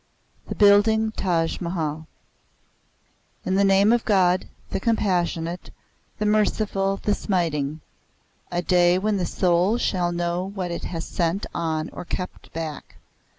THE BUILDING OF THE TAJ MAHAL In the Name of God, the Compassionate, the Merciful the Smiting! A day when the soul shall know what it has sent on or kept back.